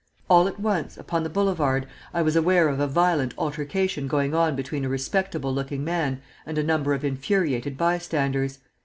All at once, upon the Boulevard, I was aware of a violent altercation going on between a respectable looking man and a number of infuriated bystanders.